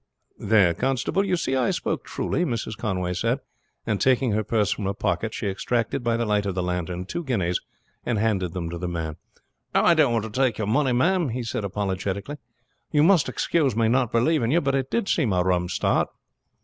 "There, constable, you see I spoke truly," Mrs. Conway said, and taking her purse from her pocket she extracted by the light of the lantern two guineas and handed them to the man. "Oh, I don't want to take your money, ma'am," he said apologetically. "You must excuse my not believing you, but it did seem a rum start."